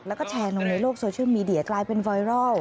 แล้วก็แชร์ลงในโลกโซเชียลมีเดียกลายเป็นไวรัล